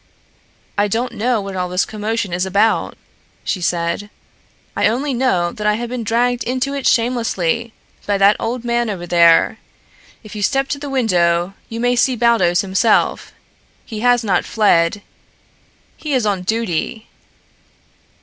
"I don't know what all this commotion is about," she said. "I only know that I have been dragged into it shamelessly by that old man over there, If you step to the window you may see Baldos himself. He has not fled. He is on duty!"